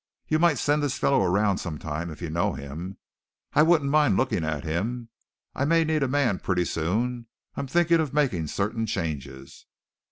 You might send this fellow around sometime if you know him. I wouldn't mind looking at him. I may need a man pretty soon. I'm thinking of making certain changes."